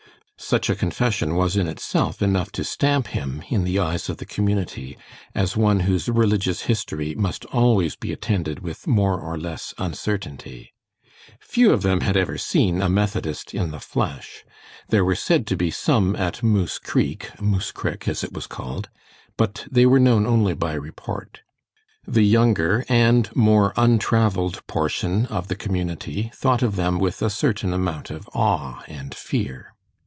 Such a confession was in itself enough to stamp him, in the eyes of the community, as one whose religious history must always be attended with more or less uncertainty. Few of them had ever seen a Methodist in the flesh. There were said to be some at Moose Creek (Mooscrick, as it was called), but they were known only by report. The younger and more untraveled portion of the community thought of them with a certain amount of awe and fear.